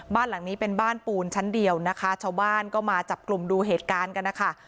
บ้านหลังนี้เป็นบ้านปูนชั้นเดียวนะคะชาวบ้านก็มาจับกลุ่มดูเหตุการณ์กันนะคะ